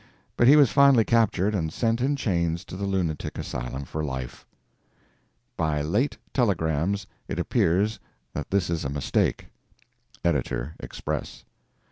But he was finally captured and sent in chains to the lunatic asylum for life. (By late telegrams it appears that this is a mistake. Editor Express.)